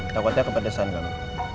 takutnya kepedesan kamu